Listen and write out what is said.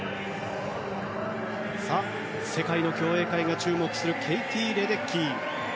世界の競泳界が注目するケイティ・レデッキー。